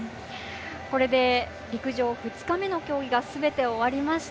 これで陸上２日目の競技がすべて終わりました。